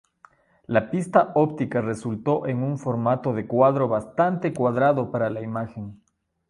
La pista óptica resultó en un formato de cuadro bastante cuadrado para la imagen.